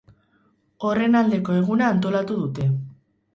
Horren aldeko eguna antolatu dute.